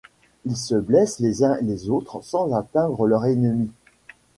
Ils se blessent les uns les autres sans atteindre leur ennemi.